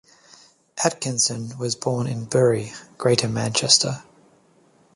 Atkinson was born in Bury, Greater Manchester.